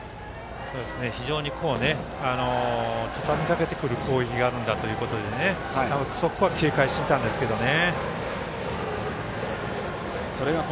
非常にたたみかけてくる攻撃があるんだということでそこは警戒していたんですけどね。